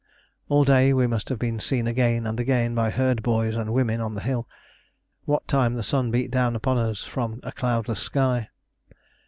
All day we must have been seen again and again by herd boys and women on the hill, what time the sun beat down upon us from a cloudless sky.